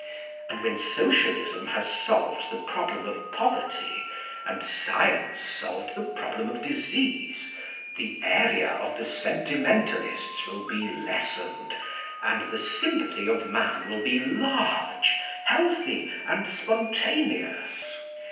And when Socialism has solved the problem of poverty, and Science solved the problem of disease, the area of the sentimentalists will be lessened, and the sympathy of man will be large, healthy, and spontaneous.